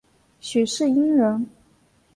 许世英人。